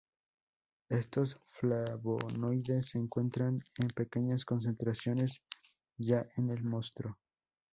Estos flavonoides se encuentran en pequeñas concentraciones ya en el mosto.